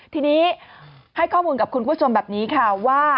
ทีนี้ให้ข้อมูลกับคุณผู้ชมแบบนี้ค่ะว่า